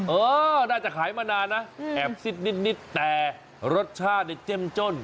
เออน่าจะขายมานานนะแอบซิดนิดแต่รสชาติเนี่ยเจ้มจ้น